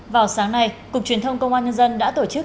vào sáng nay cục truyền thông công an nhân dân đã tổ chức